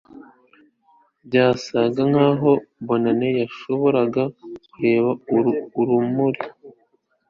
byasaga nkaho bonnie yashoboraga kureba urumuri